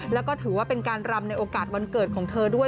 แล้วก็ถือว่าเป็นการรำในโอกาสวันเกิดของเธอด้วย